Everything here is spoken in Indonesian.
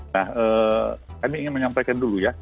nah kami ingin menyampaikan dulu ya